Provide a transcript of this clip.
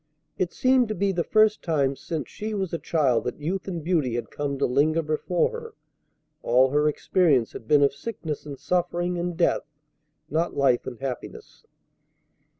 It seemed to be the first time since she was a child that youth and beauty had come to linger before her. All her experience had been of sickness and suffering and death, not life and happiness.